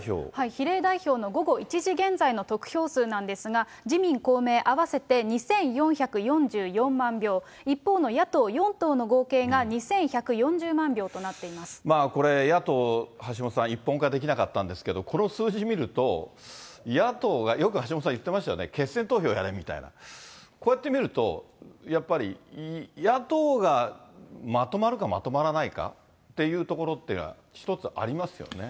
比例代表の午後１時現在の得票数なんですが、自民、公明合わせて２４４４万票、一方の野党４党の合計が、２１４０万票となっこれ、野党、橋下さん、一本化できなかったんですけど、この数字見ると、野党がよく橋下さん言ってましたよね、決選投票やれみたいな、こうやって見ると、やっぱり野党がまとまるかまとまらないかというところっていうのは、一つありますよね。